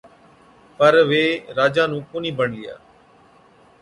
پَر وي راجا نُون ڪونهِي بڻلِيا،